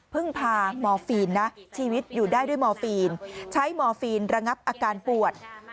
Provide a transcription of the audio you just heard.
พามอร์ฟีนนะชีวิตอยู่ได้ด้วยมอร์ฟีนใช้มอร์ฟีนระงับอาการปวด